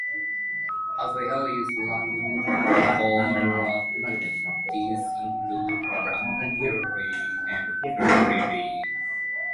Other areas surrounding Croxteth include Fazakerley and Kirkby.